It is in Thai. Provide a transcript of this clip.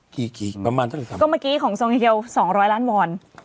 กี่ประมาณเท่าไหร่ครับก็เมื่อกี้ของทรงเฮียเกียว๒๐๐ล้านวอน